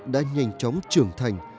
đã nhanh chóng trưởng thành